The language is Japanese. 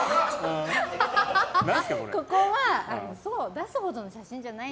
出すほどの写真じゃない。